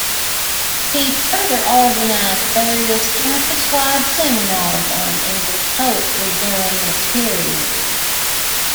He further organized various campus-wide seminars on English poetry during this period.